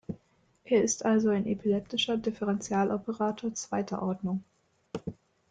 Er ist also ein elliptischer Differentialoperator zweiter Ordnung.